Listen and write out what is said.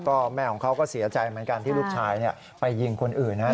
ก็แม่ของเขาก็เสียใจเหมือนกันที่ลูกชายไปยิงคนอื่นนะครับ